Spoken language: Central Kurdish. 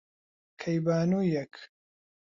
کەیبانوویەک،